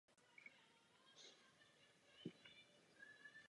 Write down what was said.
Zastupoval volební obvod Benátky nad Jizerou v Čechách.